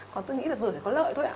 còn tôi nghĩ là rửa thì có lợi thôi ạ